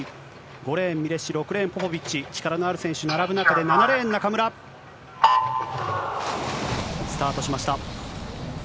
５レーン、ミレッシ、６レーン、ポポビッチ、力のある選手並ぶ中で、７レーン、中村。スタートしました。